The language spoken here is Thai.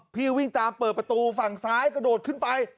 วิ่งตามเปิดประตูฝั่งซ้ายกระโดดขึ้นไป